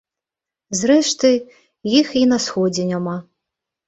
Зрэшты, іх і на сходзе няма.